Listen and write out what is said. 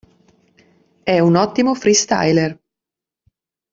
È un ottimo freestyler.